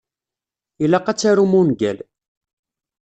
Ilaq ad tarum ungal.